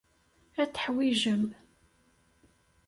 Ad t-teḥwijem.